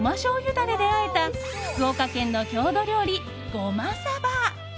ダレであえた福岡の郷土料理、ごまさば。